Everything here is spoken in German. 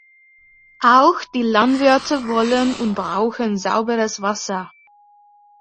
Auch die Landwirte wollen und brauchen sauberes Wasser.